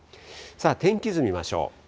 天気図見ましょう。